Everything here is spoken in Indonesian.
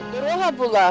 jalan ini sangat susah